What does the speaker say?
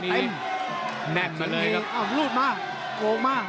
เจอขวาเท็น